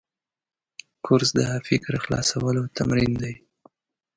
کورس د فکر خلاصولو تمرین دی.